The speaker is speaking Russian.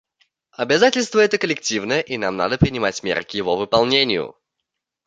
Обязательство это коллективное, и нам надо принимать меры к его выполнению.